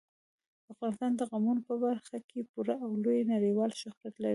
افغانستان د قومونه په برخه کې پوره او لوی نړیوال شهرت لري.